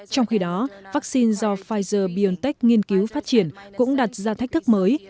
trong khi đó vắc xin do pfizer biontech nghiên cứu phát triển cũng đặt ra thách thức mới